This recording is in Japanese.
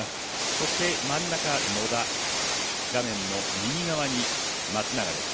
そして、真ん中、野田画面の右側に松永です。